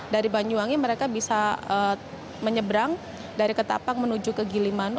dari banyuwangi mereka bisa menyeberang dari ketapang menuju ke gilimanu